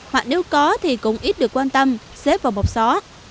hoặc nếu có thì cũng ít được quan tâm xếp vào bọc xó